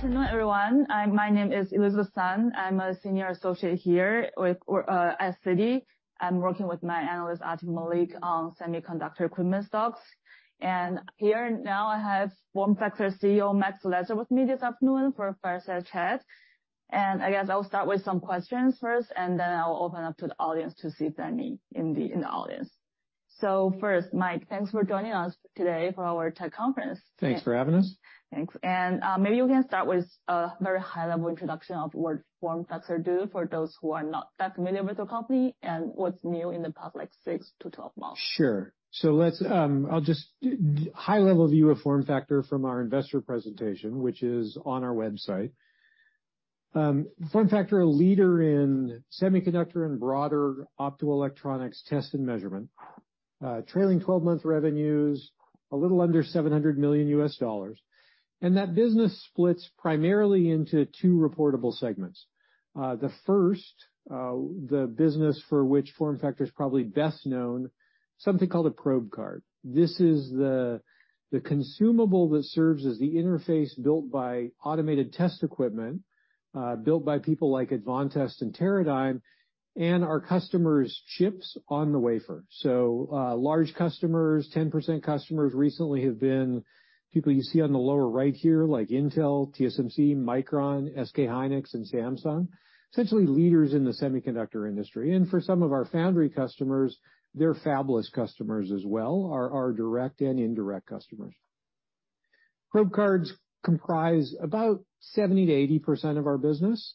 Good afternoon, everyone. My name is Elizabeth Sun. I'm a senior associate here at Citi. I'm working with my analyst, Atif Malik, on semiconductor equipment stocks. And here now, I have FormFactor CEO, Mike Slessor, with me this afternoon for a fireside chat. And I guess I'll start with some questions first, and then I'll open up to the audience to see if there are any in the audience. So first, Mike, thanks for joining us today for our tech conference. Thanks for having us. Thanks. Maybe you can start with a very high-level introduction of what FormFactor do, for those who are not that familiar with the company, and what's new in the past, like, six to 12 months. Sure. So let's high-level view of FormFactor from our investor presentation, which is on our website. FormFactor, a leader in semiconductor and broader optoelectronics test and measurement. Trailing twelve-month revenue's a little under $700 million, and that business splits primarily into two reportable segments. The first, the business for which FormFactor is probably best known, something called a probe card. This is the consumable that serves as the interface built by automated test equipment, built by people like Advantest and Teradyne, and our customers' chips on the wafer. So, large customers, 10% customers recently have been people you see on the lower right here, like Intel, TSMC, Micron, SK hynix, and Samsung, essentially leaders in the semiconductor industry. And for some of our foundry customers, they're fabless customers as well, are our direct and indirect customers. Probe cards comprise about 70%-80% of our business,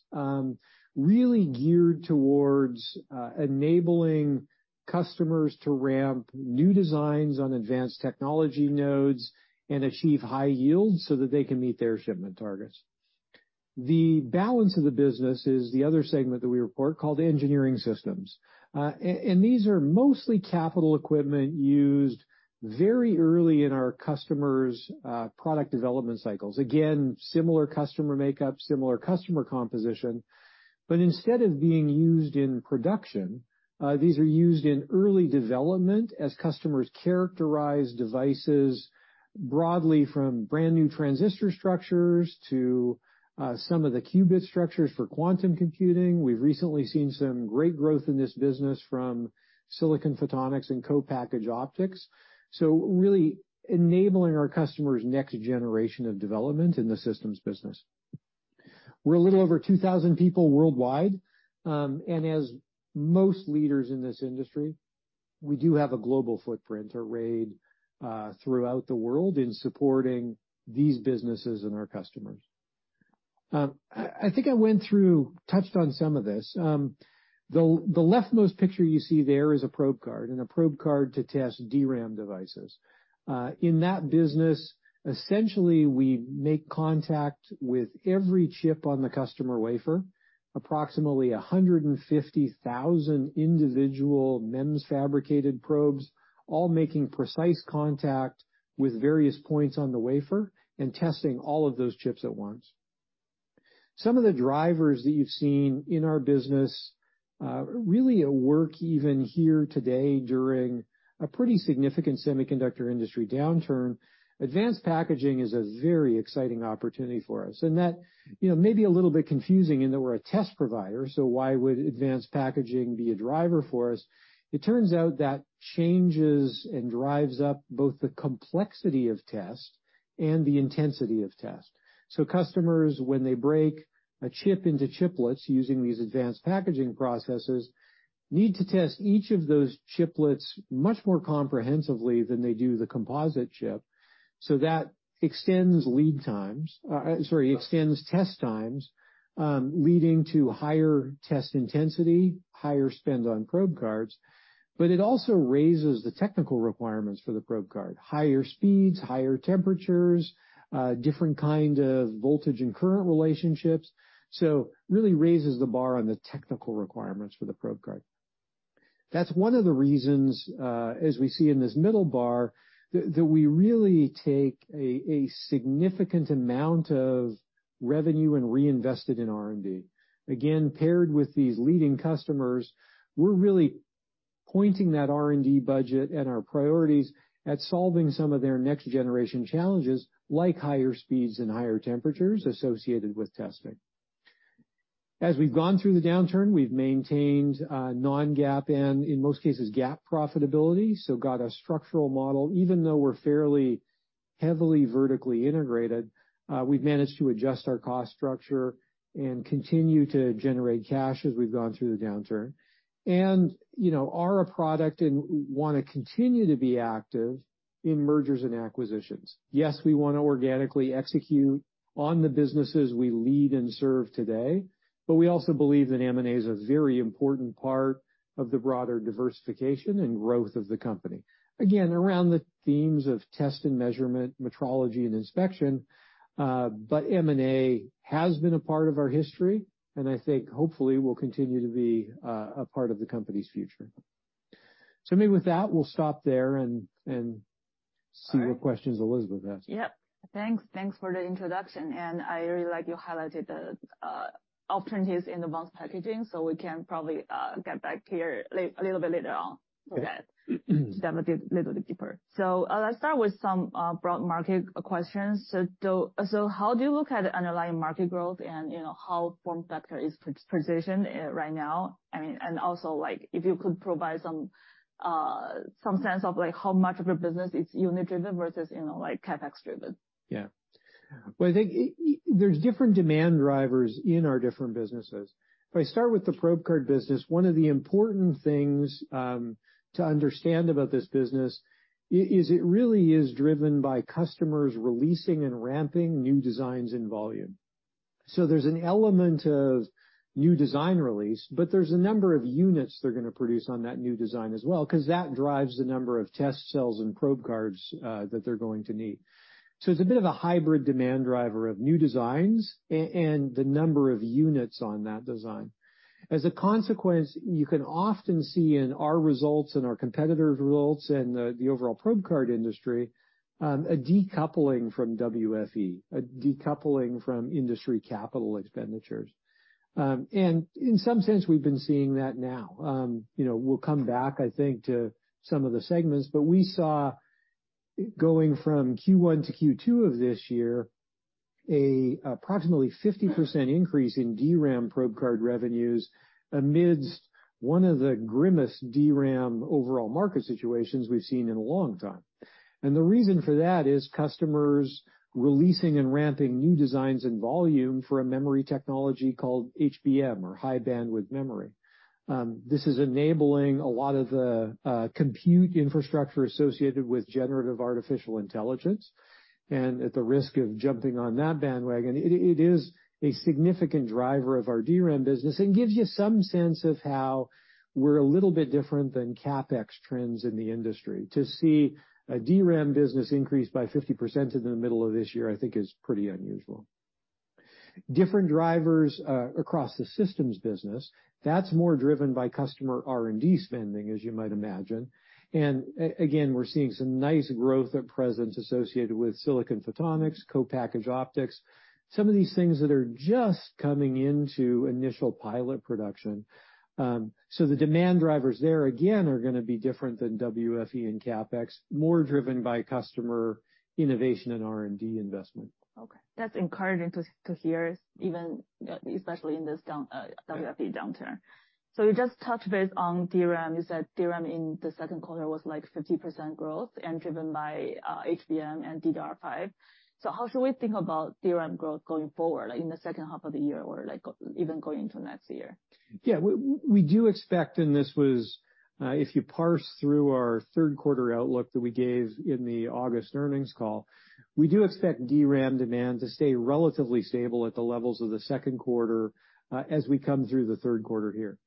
really geared towards enabling customers to ramp new designs on advanced technology nodes and achieve high yields so that they can meet their shipment targets. The balance of the business is the other segment that we report called engineering systems. And these are mostly capital equipment used very early in our customers' product development cycles. Again, similar customer makeup, similar customer composition, but instead of being used in production, these are used in early development as customers characterize devices broadly from brand-new transistor structures to some of the qubit structures for quantum computing. We've recently seen some great growth in this business from silicon photonics and co-packaged optics, so really enabling our customers' next generation of development in the systems business. We're a little over 2000 people worldwide, and as most leaders in this industry, we do have a global footprint arrayed throughout the world in supporting these businesses and our customers. I think I went through, touched on some of this. The leftmost picture you see there is a probe card, and a probe card to test DRAM devices. In that business, essentially, we make contact with every chip on the customer wafer, approximately 150,000 individual MEMS-fabricated probes, all making precise contact with various points on the wafer and testing all of those chips at once. Some of the drivers that you've seen in our business are really at work even here today, during a pretty significant semiconductor industry downturn. Advanced packaging is a very exciting opportunity for us, and that, you know, may be a little bit confusing in that we're a test provider, so why would advanced packaging be a driver for us? It turns out that changes and drives up both the complexity of test and the intensity of test. So customers, when they break a chip into chiplets using these advanced packaging processes, need to test each of those chiplets much more comprehensively than they do the composite chip. So that extends lead times, extends test times, leading to higher test intensity, higher spend on probe cards, but it also raises the technical requirements for the probe card. Higher speeds, higher temperatures, different kind of voltage and current relationships, so really raises the bar on the technical requirements for the probe card. That's one of the reasons, as we see in this middle bar, that we really take a significant amount of revenue and reinvest it in R&D. Again, paired with these leading customers, we're really pointing that R&D budget and our priorities at solving some of their next-generation challenges, like higher speeds and higher temperatures associated with testing. As we've gone through the downturn, we've maintained non-GAAP and, in most cases, GAAP profitability, so got a structural model. Even though we're fairly heavily vertically integrated, we've managed to adjust our cost structure and continue to generate cash as we've gone through the downturn. And, you know, are a product and want to continue to be active in mergers and acquisitions. Yes, we want to organically execute on the businesses we lead and serve today, but we also believe that M&A is a very important part of the broader diversification and growth of the company. Again, around the themes of test and measurement, metrology and inspection, but M&A has been a part of our history, and I think hopefully will continue to be, a part of the company's future. So maybe with that, we'll stop there and see what questions Elizabeth has. Yep. Thanks. Thanks for the introduction, and I really like you highlighted the opportunities in advanced packaging, so we can probably get back here a little bit later on. Okay. To dive a little bit deeper. So, let's start with some broad market questions. So how do you look at underlying market growth and, you know, how FormFactor is positioned, right now? I mean, and also, like, if you could provide some sense of, like, how much of your business is unit driven versus, you know, like, CapEx driven. Yeah. Well, I think there's different demand drivers in our different businesses. If I start with the probe card business, one of the important things to understand about this business is it really is driven by customers releasing and ramping new designs in volume. So there's an element of new design release, but there's a number of units they're gonna produce on that new design as well, 'cause that drives the number of test cells and probe cards that they're going to need. So it's a bit of a hybrid demand driver of new designs and the number of units on that design. As a consequence, you can often see in our results and our competitors' results and the overall probe card industry a decoupling from WFE, a decoupling from industry capital expenditures. And in some sense, we've been seeing that now. You know, we'll come back, I think, to some of the segments, but we saw, going from Q1 to Q2 of this year, an approximately 50% increase in DRAM probe card revenues amidst one of the grimmest DRAM overall market situations we've seen in a long time. And the reason for that is customers releasing and ramping new designs in volume for a memory technology called HBM, or High Bandwidth Memory. This is enabling a lot of the compute infrastructure associated with generative artificial intelligence, and at the risk of jumping on that bandwagon, it, it is a significant driver of our DRAM business and gives you some sense of how we're a little bit different than CapEx trends in the industry. To see a DRAM business increase by 50% in the middle of this year, I think, is pretty unusual. Different drivers, across the systems business, that's more driven by customer R&D spending, as you might imagine. And again, we're seeing some nice growth at present associated with silicon photonics, co-packaged optics, some of these things that are just coming into initial pilot production. So the demand drivers there, again, are gonna be different than WFE and CapEx, more driven by customer innovation and R&D investment. Okay. That's encouraging to, to hear, even, especially in this down WFE downturn. So you just touched base on DRAM. You said DRAM in the Q2 was, like, 50% growth and driven by HBM and DDR5. So how should we think about DRAM growth going forward, like, in the second half of the year or, like, even going into next year? Yeah. We do expect, and this was, if you parse through our Q3 outlook that we gave in the August earnings call, we do expect DRAM demand to stay relatively stable at the levels of the Q2, as we come through the Q3 here.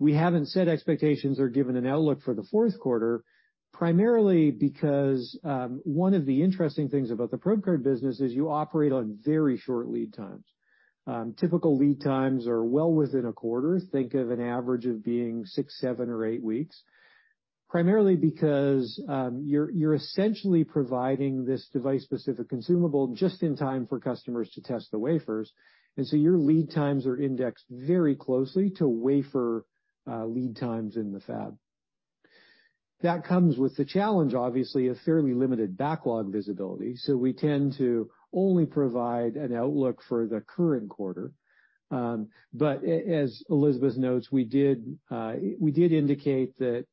We haven't set expectations or given an outlook for the Q4, primarily because, one of the interesting things about the probe card business is you operate on very short lead times. Typical lead times are well within a quarter, think of an average of being 6, 7, or 8 weeks, primarily because, you're essentially providing this device-specific consumable just in time for customers to test the wafers, and so your lead times are indexed very closely to wafer lead times in the fab. That comes with the challenge, obviously, a fairly limited backlog visibility, so we tend to only provide an outlook for the current quarter. But as Elizabeth notes, we did, we did indicate that,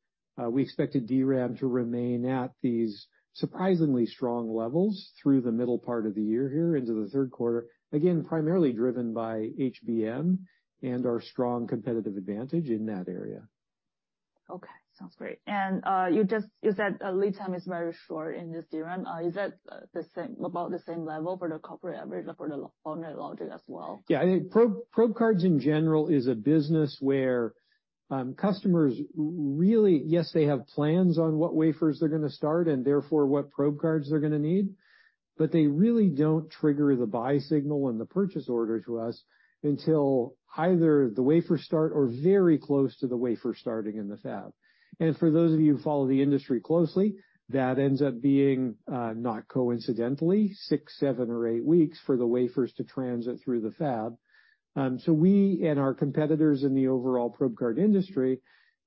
we expected DRAM to remain at these surprisingly strong levels through the middle part of the year here into the Q3, again, primarily driven by HBM and our strong competitive advantage in that area. Okay. Sounds great. You said lead time is very short in this DRAM. Is that the same, about the same level for the corporate average, for the foundry logic as well? Yeah. I think probe cards in general is a business where customers really... Yes, they have plans on what wafers they're gonna start, and therefore, what probe cards they're gonna need, but they really don't trigger the buy signal and the purchase order to us until either the wafers start or very close to the wafer starting in the fab. And for those of you who follow the industry closely, that ends up being, not coincidentally, 6, 7, or 8 weeks for the wafers to transit through the fab. So we and our competitors in the overall probe card industry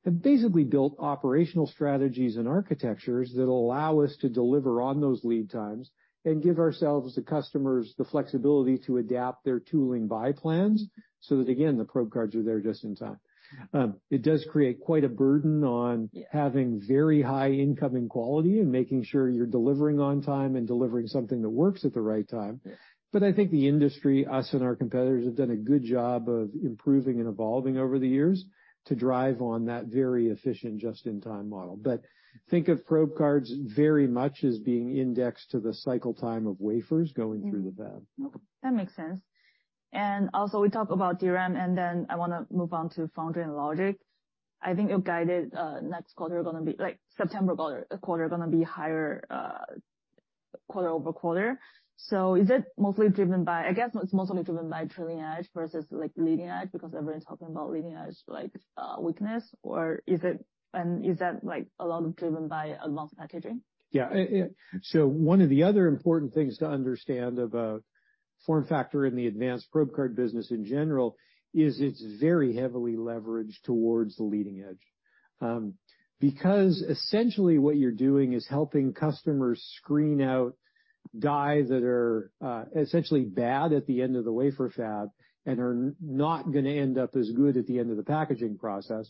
have basically built operational strategies and architectures that allow us to deliver on those lead times and give ourselves, the customers, the flexibility to adapt their tooling buy plans, so that, again, the probe cards are there just in time. It does create quite a burden on- Yeah having very high incoming quality and making sure you're delivering on time and delivering something that works at the right time. Yeah. But I think the industry, us and our competitors, have done a good job of improving and evolving over the years to drive on that very efficient just-in-time model. But think of probe cards very much as being indexed to the cycle time of wafers going through the fab. Mm-hmm. Okay, that makes sense. And also, we talked about DRAM, and then I wanna move on to foundry and logic. I think you guided, next quarter gonna be, like, September quarter, quarter gonna be higher, quarter over quarter. So is it mostly driven by, I guess, it's mostly driven by trailing edge versus, like, leading edge, because everyone's talking about leading edge, like, weakness? Or is it, and is that, like, a lot of driven by advanced packaging? Yeah. So one of the other important things to understand about FormFactor in the advanced probe card business in general, is it's very heavily leveraged towards the leading edge. Because essentially, what you're doing is helping customers screen out die that are essentially bad at the end of the wafer fab and are not gonna end up as good at the end of the packaging process.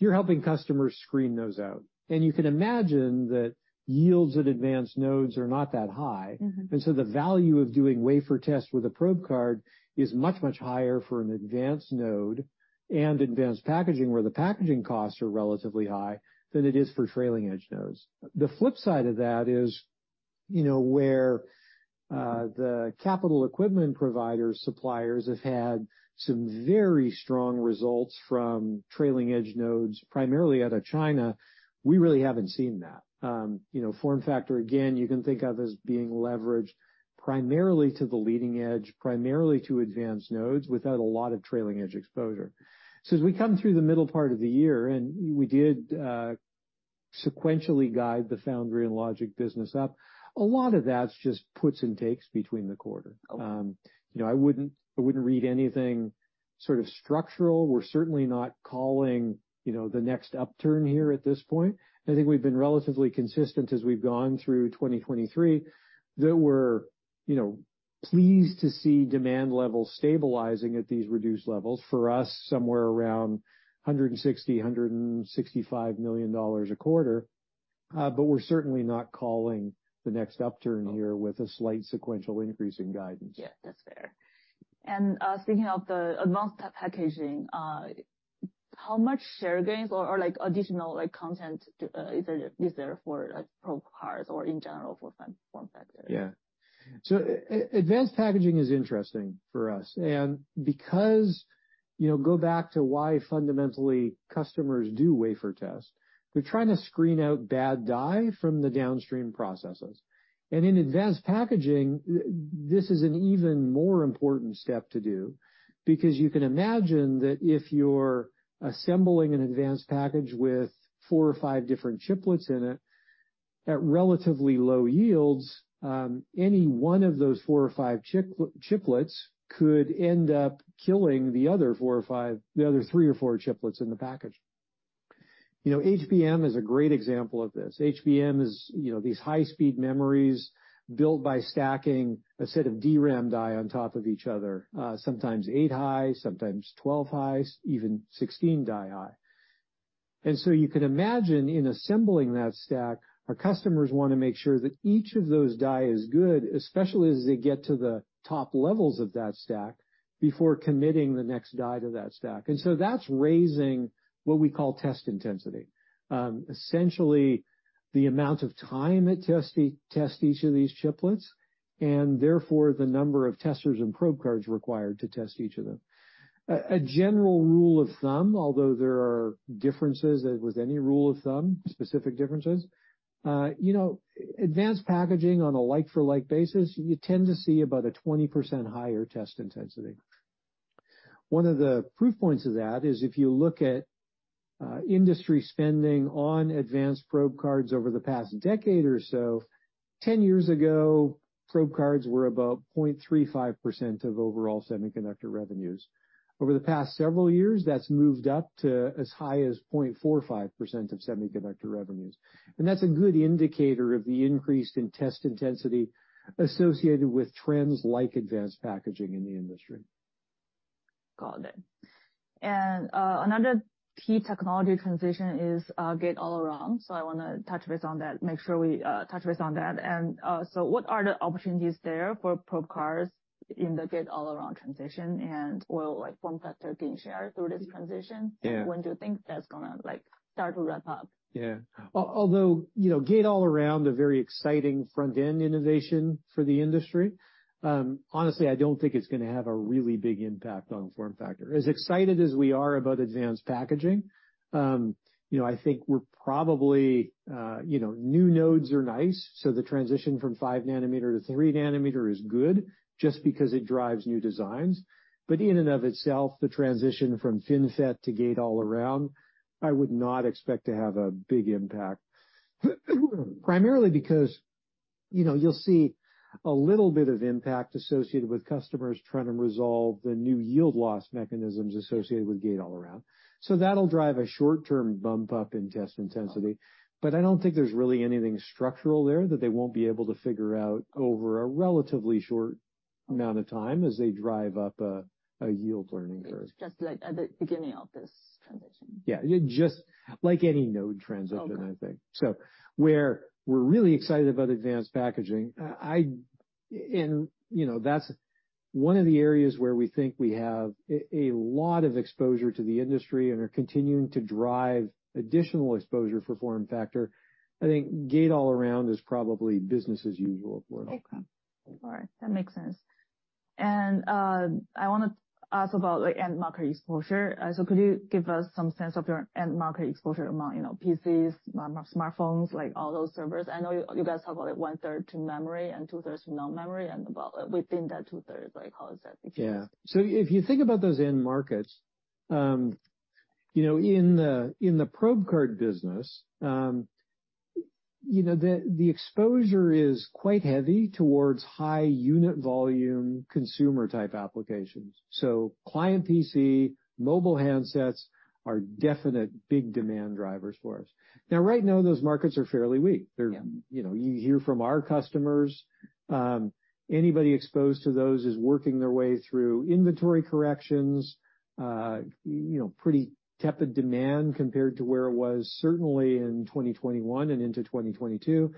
You're helping customers screen those out, and you can imagine that yields at advanced nodes are not that high. Mm-hmm. And so the value of doing wafer tests with a probe card is much, much higher for an advanced node and advanced packaging, where the packaging costs are relatively high, than it is for trailing edge nodes. The flip side of that is, you know, where the capital equipment providers, suppliers have had some very strong results from trailing edge nodes, primarily out of China. We really haven't seen that. You know, FormFactor, again, you can think of as being leveraged primarily to the leading edge, primarily to advanced nodes, without a lot of trailing edge exposure. So as we come through the middle part of the year, and we did sequentially guide the foundry and logic business up, a lot of that's just puts and takes between the quarter. Okay. You know, I wouldn't, I wouldn't read anything sort of structural. We're certainly not calling, you know, the next upturn here at this point. I think we've been relatively consistent as we've gone through 2023, that we're, you know, pleased to see demand levels stabilizing at these reduced levels. For us, somewhere around $160 million-$165 million a quarter. But we're certainly not calling the next upturn here with a slight sequential increase in guidance. Yeah, that's fair. And, thinking of the advanced packaging, how much share gains or, or like, additional, like, content, is there, is there for, like, probe cards or in general for FormFactor? Yeah. So advanced packaging is interesting for us. And because, you know, go back to why, fundamentally, customers do wafer tests. They're trying to screen out bad die from the downstream processes. And in advanced packaging, this is an even more important step to do because you can imagine that if you're assembling an advanced package with four or five different chiplets in it, at relatively low yields, any one of those four or five chiplets could end up killing the other four or five, the other three or four chiplets in the package. You know, HBM is a great example of this. HBM is, you know, these high-speed memories built by stacking a set of DRAM die on top of each other, sometimes eight high, sometimes 12 high, even 16 die high. You can imagine, in assembling that stack, our customers want to make sure that each of those die is good, especially as they get to the top levels of that stack, before committing the next die to that stack. That's raising what we call test intensity. Essentially, the amount of time it tests, test each of these chiplets, and therefore, the number of testers and probe cards required to test each of them. A general rule of thumb, although there are differences, as with any rule of thumb, specific differences, you know, advanced packaging on a like-for-like basis, you tend to see about a 20% higher test intensity. One of the proof points of that is if you look at industry spending on advanced probe cards over the past decade or so, 10 years ago, probe cards were about 0.35% of overall semiconductor revenues. Over the past several years, that's moved up to as high as 0.45% of semiconductor revenues, and that's a good indicator of the increase in test intensity associated with trends like advanced packaging in the industry. Got it. Another key technology transition is Gate-All-Around, so I want to touch base on that, make sure we touch base on that. So what are the opportunities there for probe cards in the Gate-All-Around transition, and will, like, FormFactor gain share through this transition? Yeah. When do you think that's gonna, like, start to ramp up? Yeah. Well, although, you know, Gate-All-Around a very exciting front-end innovation for the industry, honestly, I don't think it's gonna have a really big impact on FormFactor. As excited as we are about advanced packaging, you know, I think we're probably, you know, new nodes are nice, so the transition from 5 nanometer to 3 nanometer is good just because it drives new designs. But in and of itself, the transition from FinFET to Gate-All-Around, I would not expect to have a big impact. Primarily because, you know, you'll see a little bit of impact associated with customers trying to resolve the new yield loss mechanisms associated with Gate-All-Around. So that'll drive a short-term bump up in test intensity, but I don't think there's really anything structural there that they won't be able to figure out over a relatively short amount of time as they drive up a yield learning curve. Just like at the beginning of this transition. Yeah, just like any node transition- Okay... I think. So where we're really excited about advanced packaging, and, you know, that's one of the areas where we think we have a lot of exposure to the industry and are continuing to drive additional exposure for FormFactor. I think Gate-All-Around is probably business as usual for us. Okay. All right, that makes sense. And, I want to ask about the end market exposure. So could you give us some sense of your end market exposure among, you know, PCs, smartphones, like, all those servers? I know you guys talk about, like, one third to memory and two thirds non-memory, and about within that two thirds, like, how is that? Yeah. So if you think about those end markets, you know, in the probe card business, you know, the exposure is quite heavy towards high unit volume, consumer type applications. So client PC, mobile handsets are definite big demand drivers for us. Now, right now, those markets are fairly weak. Yeah. They're, you know, you hear from our customers, anybody exposed to those is working their way through inventory corrections, you know, pretty tepid demand compared to where it was certainly in 2021 and into 2022.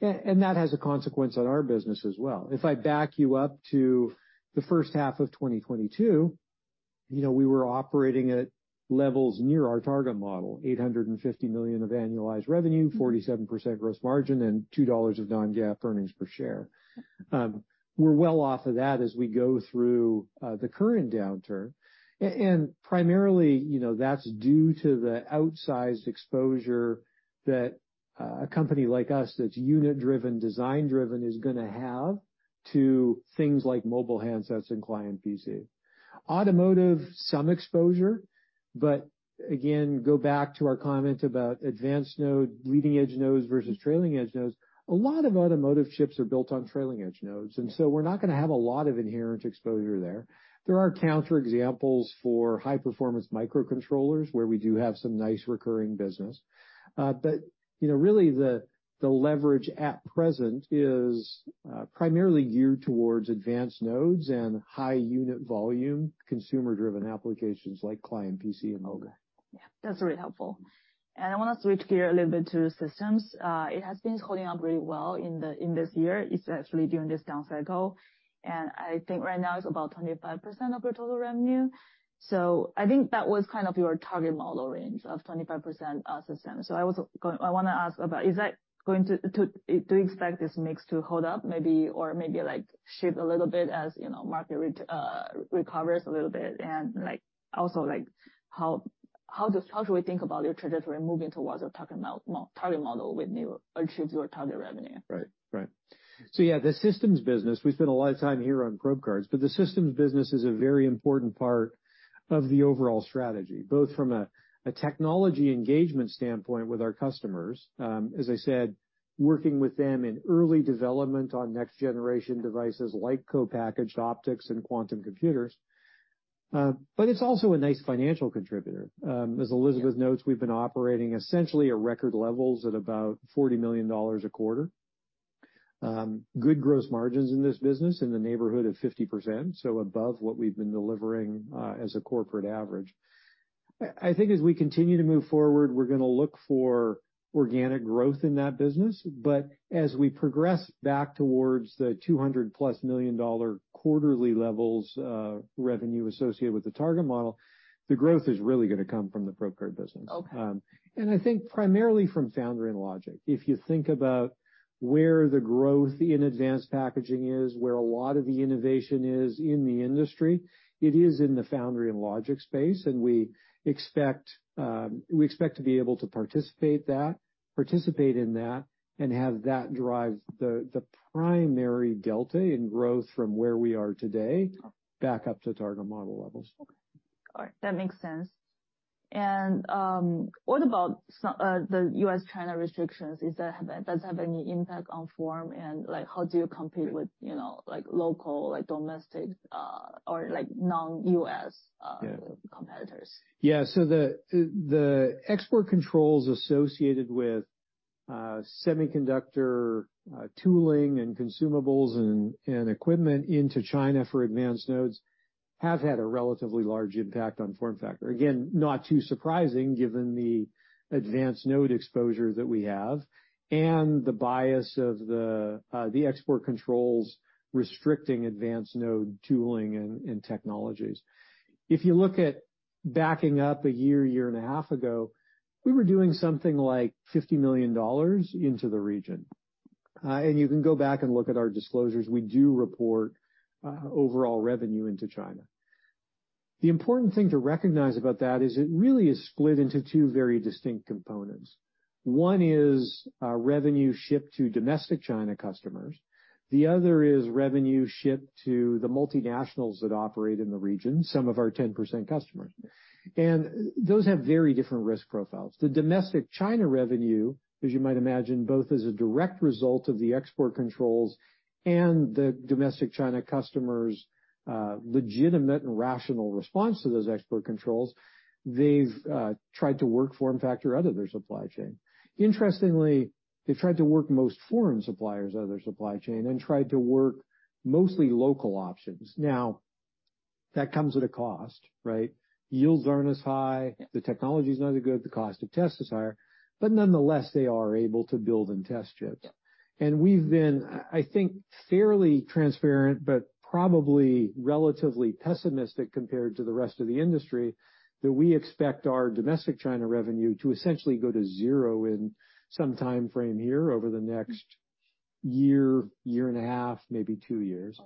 That has a consequence on our business as well. If I back you up to the first half of 2022, you know, we were operating at levels near our target model, $850 million of annualized revenue, 47% gross margin, and $2 of non-GAAP earnings per share. We're well off of that as we go through the current downturn. Primarily, you know, that's due to the outsized exposure that a company like us, that's unit driven, design driven, is gonna have to things like mobile handsets and client PC. Automotive, some exposure, but again, go back to our comment about advanced node, leading-edge nodes versus trailing-edge nodes. A lot of automotive chips are built on trailing-edge nodes, and so we're not gonna have a lot of inherent exposure there. There are counter examples for high-performance microcontrollers, where we do have some nice recurring business. But, you know, really, the leverage at present is primarily geared towards advanced nodes and high unit volume, consumer-driven applications like client PC and mobile. Yeah, that's really helpful. I wanna switch gear a little bit to systems. It has been holding up really well in the, in this year. It's actually during this down cycle, and I think right now it's about 25% of your total revenue. So I think that was kind of your target model range of 25%, systems. I wanna ask about, is that going to do you expect this mix to hold up, maybe, or maybe, like, shift a little bit as, you know, market recovers a little bit? And like, also, like, how should we think about your trajectory moving towards a target model when you achieve your target revenue? Right. Right. So yeah, the systems business, we spend a lot of time here on probe cards, but the systems business is a very important part of the overall strategy, both from a technology engagement standpoint with our customers, as I said, working with them in early development on next generation devices like co-packaged optics and quantum computers. But it's also a nice financial contributor. As Elizabeth notes, we've been operating essentially at record levels at about $40 million a quarter. Good gross margins in this business, in the neighborhood of 50%, so above what we've been delivering as a corporate average. I think as we continue to move forward, we're gonna look for organic growth in that business, but as we progress back towards the $200+ million quarterly levels, revenue associated with the target model, the growth is really gonna come from the probe card business. Okay. And I think primarily from foundry and logic. If you think about where the growth in advanced packaging is, where a lot of the innovation is in the industry, it is in the foundry and logic space, and we expect to be able to participate in that and have that drive the primary delta in growth from where we are today- Okay. - back up to target model levels. Okay. All right, that makes sense. And what about the U.S.-China restrictions, does that have any impact on FormFactor, and like, how do you compete with, you know, like local, like domestic, or like non-U.S., Yeah. - competitors? Yeah. So the export controls associated with semiconductor tooling and consumables and equipment into China for advanced nodes have had a relatively large impact on FormFactor. Again, not too surprising, given the advanced node exposure that we have and the bias of the export controls restricting advanced node tooling and technologies. If you look at backing up a year and a half ago, we were doing something like $50 million into the region. And you can go back and look at our disclosures. We do report overall revenue into China. The important thing to recognize about that is it really is split into two very distinct components. One is revenue shipped to domestic China customers. The other is revenue shipped to the multinationals that operate in the region, some of our 10% customers. Those have very different risk profiles. The domestic China revenue, as you might imagine, both as a direct result of the export controls and the domestic China customers' legitimate and rational response to those export controls, they've tried to work FormFactor out of their supply chain. Interestingly, they've tried to work most foreign suppliers out of their supply chain and tried to work mostly local options. Now, that comes at a cost, right? Yields aren't as high. Yeah. The technology's not as good. The cost of test is higher, but nonetheless, they are able to build and test chips. Yeah. We've been, I think, fairly transparent, but probably relatively pessimistic compared to the rest of the industry, that we expect our domestic China revenue to essentially go to zero in some time frame here over the next year, year and a half, maybe 2 years.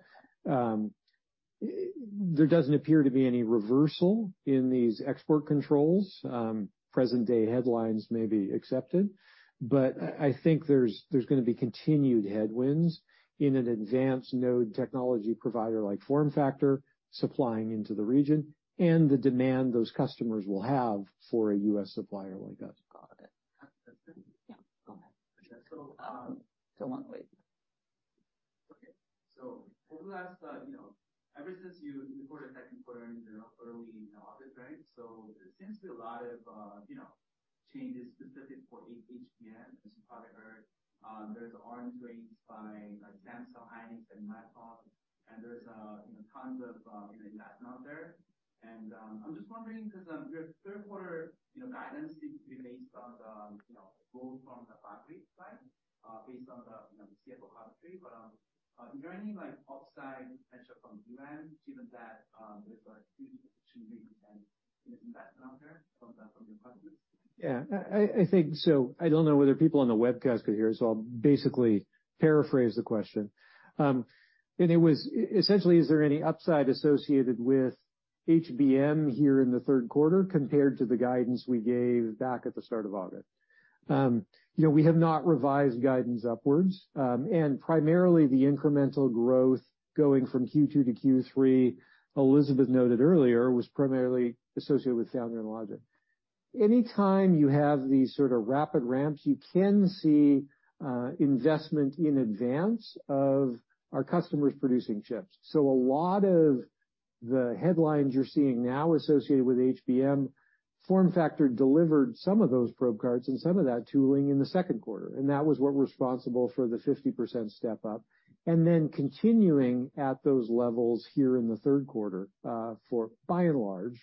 There doesn't appear to be any reversal in these export controls. Present day headlines may be accepted, but I think there's gonna be continued headwinds in an advanced node technology provider like FormFactor, supplying into the region, and the demand those customers will have for a U.S. supplier like us. Got it. Yeah, go ahead. So, so long way. Okay. So for the last, you know, ever since you reported Q2 in the early August, right? So there seems to be a lot of, you know, changes specific for HBM, as you probably heard. There's order rates by like Samsung, SK hynix and Micron, and there's, you know, tons of, you know, investment out there. And, I'm just wondering, 'cause, your Q3, you know, guidance seems to be based on the, you know, both from the FormFactor side, based on the, you know, CFO commentary. But, is there any, like, upside potential from HBM, given that, there's a huge $2 billion investment out there from the, from your partners? Yeah, I think so. I don't know whether people on the webcast could hear, so I'll basically paraphrase the question. And it was essentially, is there any upside associated with HBM here in the Q3 compared to the guidance we gave back at the start of August? You know, we have not revised guidance upwards, and primarily the incremental growth going from Q2 to Q3, Elizabeth noted earlier, was primarily associated with foundry and logic. Anytime you have these sort of rapid ramps, you can see investment in advance of our customers producing chips. So a lot of the headlines you're seeing now associated with HBM, FormFactor delivered some of those probe cards and some of that tooling in the Q2, and that was what was responsible for the 50% step up, and then continuing at those levels here in the Q3, for by and large,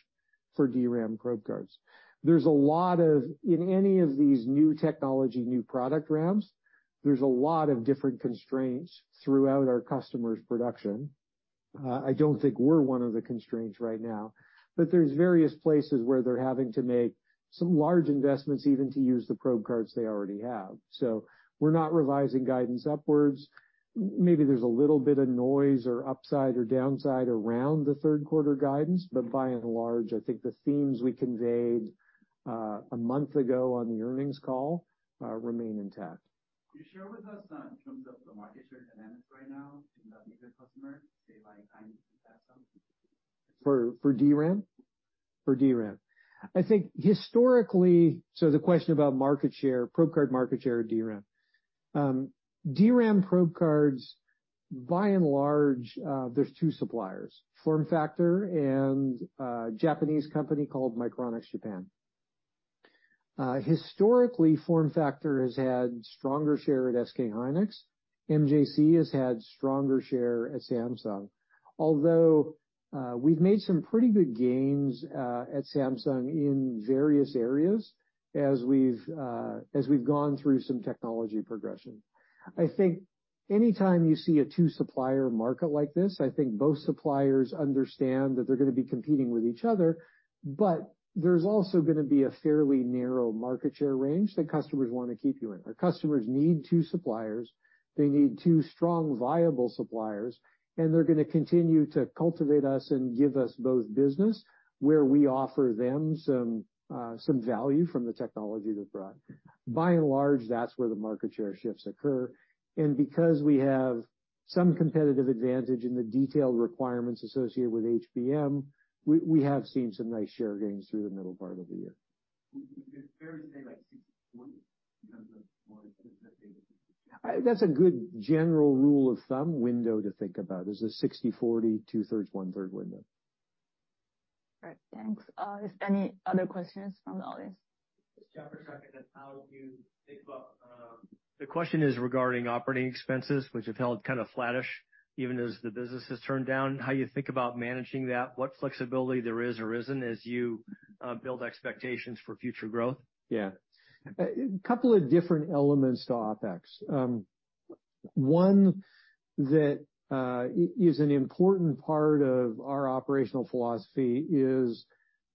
for DRAM probe cards. In any of these new technology, new product ramps, there's a lot of different constraints throughout our customers' production. I don't think we're one of the constraints right now, but there's various places where they're having to make some large investments, even to use the probe cards they already have. So we're not revising guidance upwards. Maybe there's a little bit of noise or upside or downside around the Q3 guidance, but by and large, I think the themes we conveyed a month ago on the earnings call remain intact. Can you share with us, in terms of the market share dynamics right now, in the big customer, say, like, Samsung? For DRAM? For DRAM. I think historically, so the question about market share, probe card market share, DRAM. DRAM probe cards, by and large, there's two suppliers, FormFactor and a Japanese company called Micronics Japan. Historically, FormFactor has had stronger share at SK hynix. MJC has had stronger share at Samsung, although, we've made some pretty good gains at Samsung in various areas as we've, as we've gone through some technology progression. I think anytime you see a two-supplier market like this, I think both suppliers understand that they're gonna be competing with each other, but there's also gonna be a fairly narrow market share range that customers want to keep you in. Our customers need two suppliers. They need two strong, viable suppliers, and they're gonna continue to cultivate us and give us both business, where we offer them some value from the technology they've brought. By and large, that's where the market share shifts occur, and because we have some competitive advantage in the detailed requirements associated with HBM, we have seen some nice share gains through the middle part of the year. Is it fair to say, like 60/40, because of more- That's a good general rule of thumb window to think about: the 60/40, two-thirds/one-third window. All right, thanks. Is any other questions from the audience? It's Jeff Rucker, and how you think about. The question is regarding operating expenses, which have held kind of flattish, even as the business has turned down, how you think about managing that? What flexibility there is or isn't, as you build expectations for future growth? Yeah. A couple of different elements to OpEx. One that is an important part of our operational philosophy is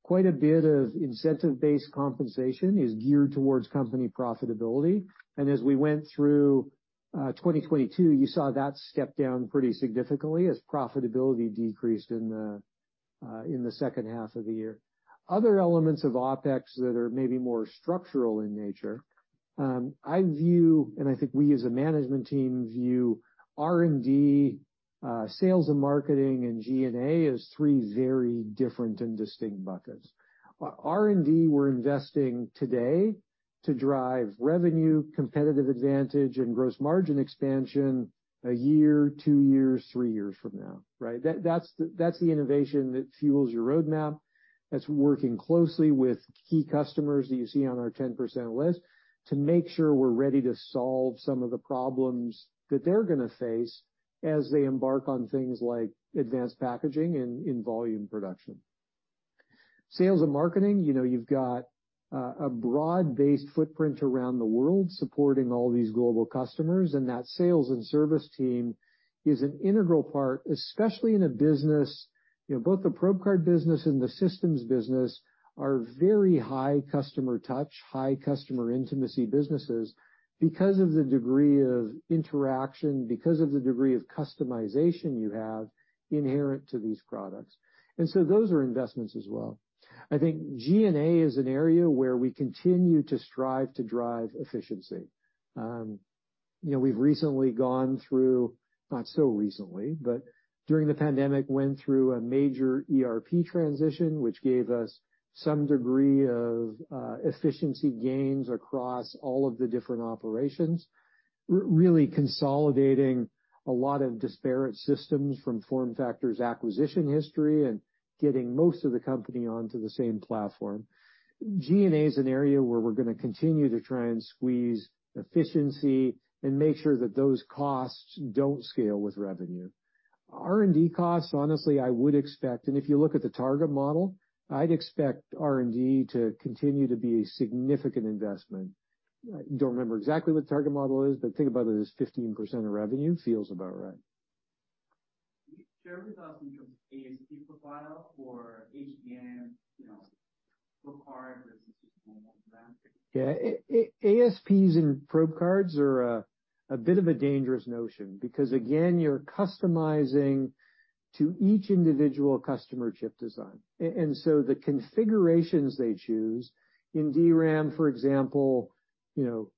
quite a bit of incentive-based compensation is geared towards company profitability, and as we went through 2022, you saw that step down pretty significantly as profitability decreased in the second half of the year. Other elements of OpEx that are maybe more structural in nature, I view, and I think we as a management team, view R&D, sales and marketing, and G&A, as three very different and distinct buckets. R&D, we're investing today to drive revenue, competitive advantage, and gross margin expansion a year, two years, three years from now, right? That's the innovation that fuels your roadmap. That's working closely with key customers that you see on our 10% list, to make sure we're ready to solve some of the problems that they're gonna face as they embark on things like advanced packaging and in volume production. Sales and marketing, you know, you've got a broad-based footprint around the world supporting all these global customers, and that sales and service team is an integral part, especially in a business... You know, both the probe card business and the systems business are very high customer touch, high customer intimacy businesses because of the degree of interaction, because of the degree of customization you have inherent to these products. And so those are investments as well. I think G&A is an area where we continue to strive to drive efficiency. You know, we've recently gone through, not so recently, but during the pandemic, went through a major ERP transition, which gave us some degree of efficiency gains across all of the different operations, really consolidating a lot of disparate systems from FormFactor's acquisition history and getting most of the company onto the same platform. G&A is an area where we're gonna continue to try and squeeze efficiency and make sure that those costs don't scale with revenue. R&D costs, honestly, I would expect, and if you look at the target model, I'd expect R&D to continue to be a significant investment. I don't remember exactly what the target model is, but think about it as 15% of revenue, feels about right. Can you share with us in terms of ASP profile for HBM, you know, probe card versus DRAM? Yeah. ASPs and probe cards are a bit of a dangerous notion because, again, you're customizing to each individual customer chip design. And so the configurations they choose, in DRAM, for example, you know,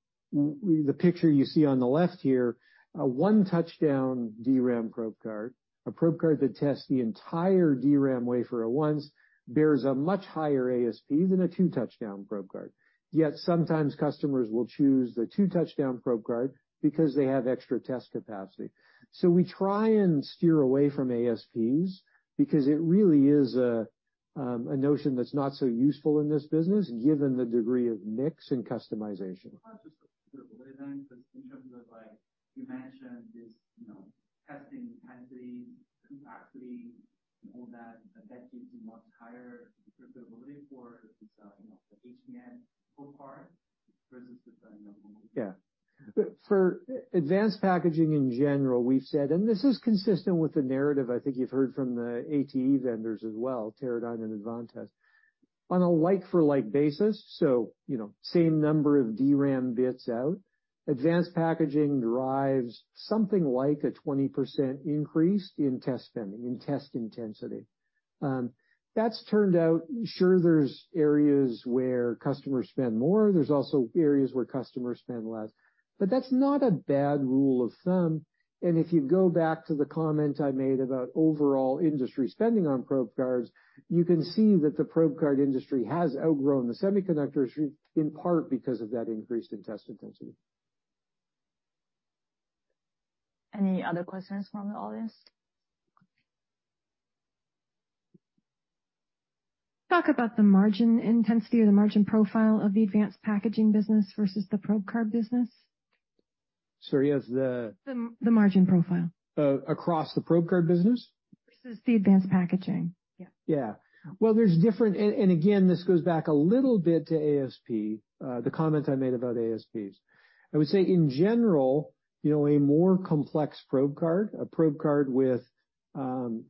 the picture you see on the left here, a one-touch-down DRAM probe card, a probe card that tests the entire DRAM wafer at once, bears a much higher ASP than a two-touch-down probe card. Yet, sometimes customers will choose the two-touch-down probe card because they have extra test capacity. So we try and steer away from ASPs because it really is a notion that's not so useful in this business, given the degree of mix and customization. Just in terms of, like, you mentioned this, you know, testing density, complexity, and all that, that gives a much higher profitability for the, you know, the HBM probe card versus the normal. Yeah. For advanced packaging in general, we've said, and this is consistent with the narrative I think you've heard from the ATE vendors as well, Teradyne and Advantest. On a like-for-like basis, so, you know, same number of DRAM bits out, advanced packaging drives something like a 20% increase in test spending, in test intensity. That's turned out... Sure, there's areas where customers spend more. There's also areas where customers spend less, but that's not a bad rule of thumb, and if you go back to the comment I made about overall industry spending on probe cards, you can see that the probe card industry has outgrown the semiconductor industry, in part because of that increase in test intensity. Any other questions from the audience? Talk about the margin intensity or the margin profile of the advanced packaging business versus the probe card business. Sorry, as the- The margin profile. Across the probe card business? Versus the Advanced packaging. Yeah. Yeah. Well, there's different, and again, this goes back a little bit to ASP, the comment I made about ASPs. I would say, in general, you know, a more complex probe card, a probe card with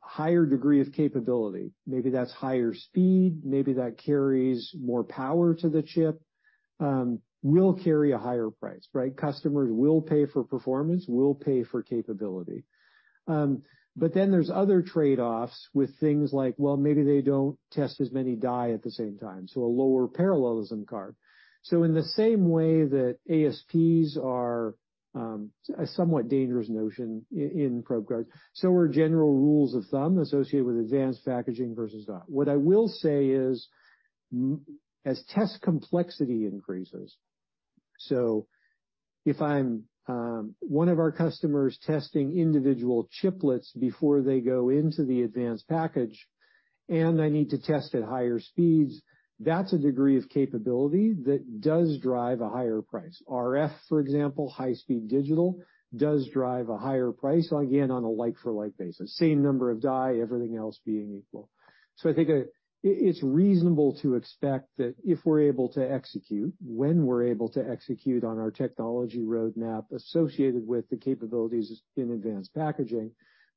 higher degree of capability, maybe that's higher speed, maybe that carries more power to the chip, will carry a higher price, right? Customers will pay for performance, will pay for capability. But then there's other trade-offs with things like, well, maybe they don't test as many die at the same time, so a lower parallelism card. So in the same way that ASPs are a somewhat dangerous notion in probe cards, so are general rules of thumb associated with advanced packaging versus die. What I will say is, as test complexity increases, so if I'm, one of our customers testing individual chiplets before they go into the advanced package, and I need to test at higher speeds, that's a degree of capability that does drive a higher price. RF, for example, high-speed digital, does drive a higher price, again, on a like-for-like basis, same number of die, everything else being equal. So I think, it's reasonable to expect that if we're able to execute, when we're able to execute on our technology roadmap associated with the capabilities in advanced packaging,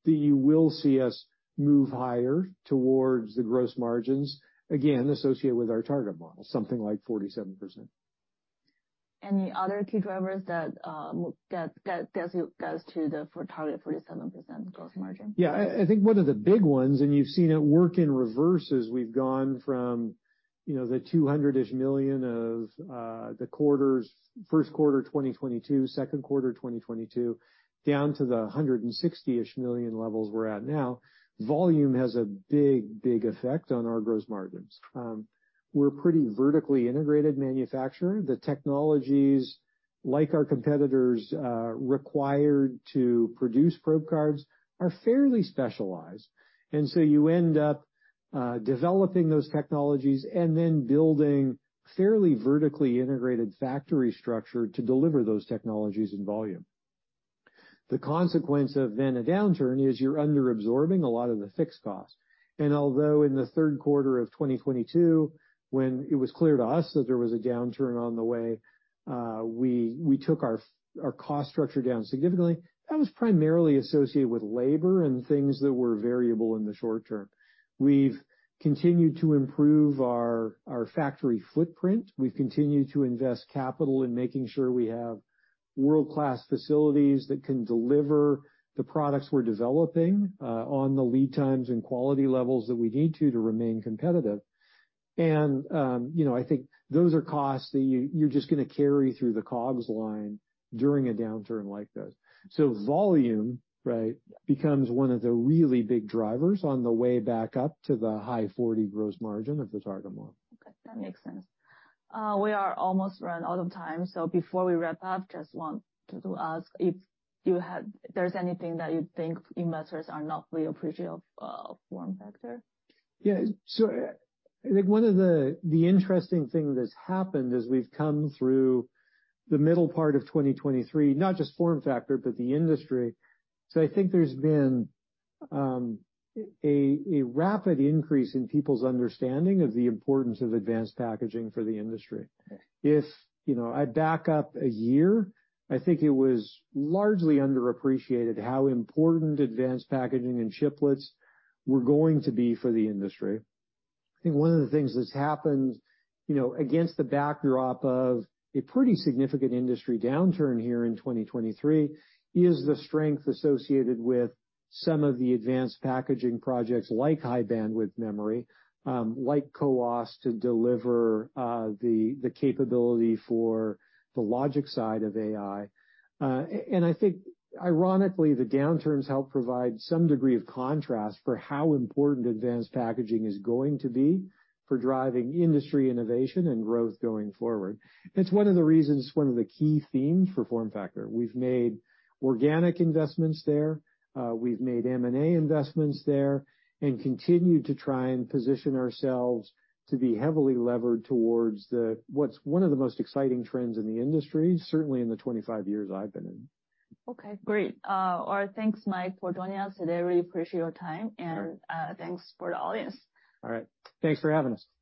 that you will see us move higher towards the gross margins, again, associated with our target model, something like 47%. Any other key drivers that goes to the for target 47% gross margin? Yeah. I, I think one of the big ones, and you've seen it work in reverse, is we've gone from, you know, the $200-ish million of the quarters, Q1 2022, Q2 2022, down to the $160-ish million levels we're at now. Volume has a big, big effect on our gross margins. We're a pretty vertically integrated manufacturer. The technologies, like our competitors, required to produce probe cards are fairly specialized, and so you end up developing those technologies and then building fairly vertically integrated factory structure to deliver those technologies in volume... The consequence of then a downturn is you're underabsorbing a lot of the fixed costs. Although in the Q3 of 2022, when it was clear to us that there was a downturn on the way, we took our cost structure down significantly. That was primarily associated with labor and things that were variable in the short term. We've continued to improve our factory footprint. We've continued to invest capital in making sure we have world-class facilities that can deliver the products we're developing on the lead times and quality levels that we need to remain competitive. You know, I think those are costs that you're just going to carry through the COGS line during a downturn like this. So volume, right, becomes one of the really big drivers on the way back up to the high 40% gross margin of the target model. Okay, that makes sense. We are almost run out of time, so before we wrap up, just want to ask if you have—there's anything that you think investors are not fully appreciative of, FormFactor? Yeah. So I think one of the interesting thing that's happened as we've come through the middle part of 2023, not just FormFactor, but the industry. So I think there's been a rapid increase in people's understanding of the importance of advanced packaging for the industry. Okay. If, you know, I back up a year, I think it was largely underappreciated how important advanced packaging and chiplets were going to be for the industry. I think one of the things that's happened, you know, against the backdrop of a pretty significant industry downturn here in 2023, is the strength associated with some of the advanced packaging projects like high-bandwidth memory, like CoWoS, to deliver the capability for the logic side of AI. And I think, ironically, the downturns help provide some degree of contrast for how important advanced packaging is going to be for driving industry innovation and growth going forward. It's one of the reasons, one of the key themes for FormFactor. We've made organic investments there, we've made M&A investments there, and continued to try and position ourselves to be heavily levered towards the- what's one of the most exciting trends in the industry, certainly in the 25 years I've been in. Okay, great. All right, thanks, Mike, for joining us today. I really appreciate your time. All right. And, thanks for the audience. All right. Thanks for having us.